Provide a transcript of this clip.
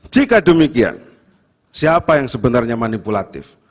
jika demikian siapa yang sebenarnya manipulatif